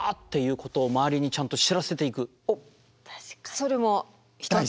それも一つ。